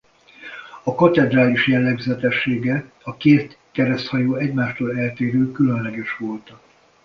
A katedrális jellegzetessége a két kereszthajó egymástól eltérő különleges volta.